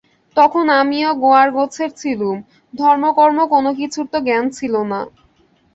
তখন আমিও গোঁয়ারগোছের ছিলুম– ধর্মকর্ম কোনো-কিছুর তো জ্ঞান ছিল না।